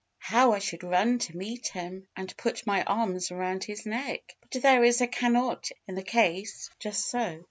How I should run to meet him, and put my arms around his neck! but there is a 'cannot' in the case." Just so.